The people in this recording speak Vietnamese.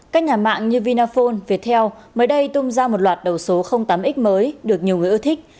các nhà mạng như vinaphone viettel mới đây tung ra một loạt đầu số tám x mới được nhiều người ưa thích